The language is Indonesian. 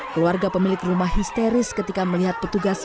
keluarga pemilik rumah histeris ketika melihat petugas